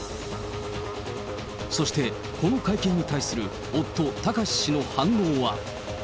そして、この会見に対する夫、貴志氏の反応は。